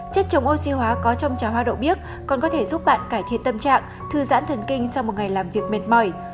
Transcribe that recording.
chất chống oxy hóa có trong trà hoa đậu bí còn có thể giúp bạn cải thiện tâm trạng thư giãn thần kinh sau một ngày làm việc mệt mỏi